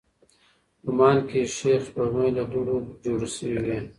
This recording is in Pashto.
ګومان کېږي، شبح سپوږمۍ له دوړو جوړې شوې وي.